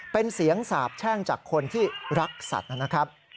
เป็นเสียงสาบแช่งจากคนที่รักสัตว์นะครับ